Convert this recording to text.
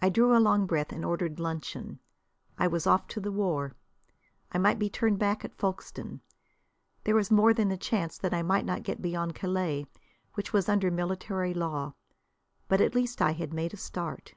I drew a long breath, and ordered luncheon. I was off to the war. I might be turned back at Folkstone. There was more than a chance that I might not get beyond Calais, which was under military law. But at least I had made a start.